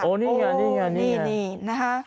โอ้นี่ไงนะฮะ